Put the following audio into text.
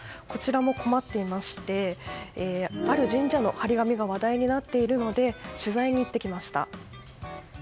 こちらも困っていましてある神社の貼り紙が話題になっているので取材に行ってきました。